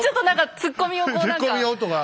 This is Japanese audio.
ツッコミをとか。